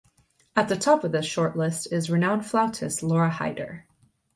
At the top of this short list is renowned flautist Laura Hyder.